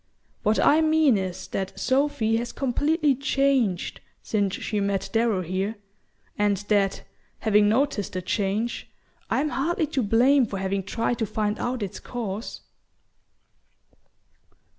What I mean is that Sophy has completely changed since she met Darrow here, and that, having noticed the change, I'm hardly to blame for having tried to find out its cause."